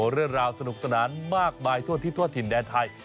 เรื่องราวสนุกสนานมากมายทั่วทิศทั่วถิ่นแดนไทย